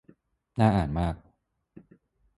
น่าอ่านมาก